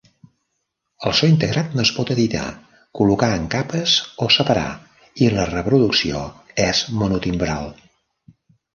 El so integrat no es pot editar, col·locar en capes o separar, i la reproducció és monotimbral.